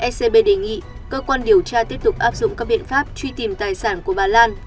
scb đề nghị cơ quan điều tra tiếp tục áp dụng các biện pháp truy tìm tài sản của bà lan